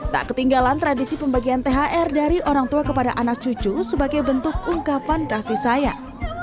tak ketinggalan tradisi pembagian thr dari orang tua kepada anak cucu sebagai bentuk ungkapan kasih sayang